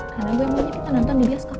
karena gue mau aja kita nonton di biasco